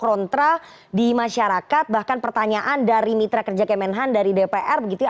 kontra di masyarakat bahkan pertanyaan dari mitra kerja kemenhan dari dpr begitu